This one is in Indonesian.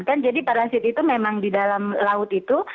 kan jadi parasit itu memang di dalam laut itu